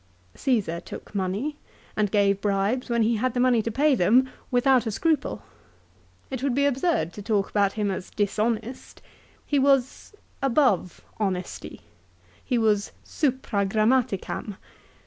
* Csesar took money, and gave bribes when he had the money to pay them, without a scruple. It would be absurd to talk about him as dishonest. He was above honesty. He was " supra grammaticam."